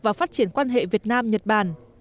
và phát triển quan hệ việt nam nhật bản